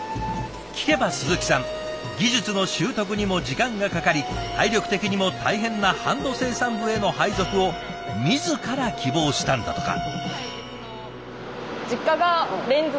聞けば鈴木さん技術の習得にも時間がかかり体力的にも大変なハンド生産部への配属を自ら希望したんだとか。